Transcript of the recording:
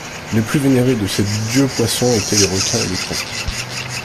Les plus vénérés de ces dieux-poissons étaient le requin et le thon.